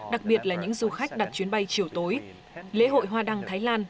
đặc biệt là những du khách đặt chuyến bay chiều tối lễ hội hoa đăng thái lan